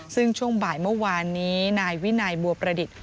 ซึ่งช่วงบ่ายเมื่อวานนี้นายวินัยบัวประดิษฐ์